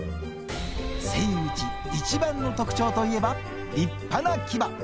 セイウチ一番の特徴といえば、立派な牙。